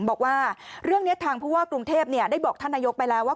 บอกว่าเรื่องนี้ทางผู้ว่ากรุงเทพได้บอกท่านนายกไปแล้วว่า